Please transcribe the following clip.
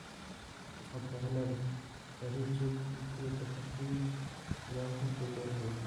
مقوله ده: جاهل چې ګلوته کش کوې دی به غولو ته زور کوي.